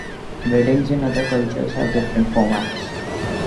Weddings in other cultures have different formats.